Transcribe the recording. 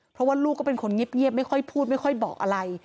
เพราะว่าลูกก็เป็นคนเงียบไม่ค่อยพูดไม่ค่อยบอกอะไร